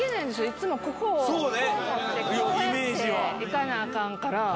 いつもここをここを持ってこうやっていかなアカンから。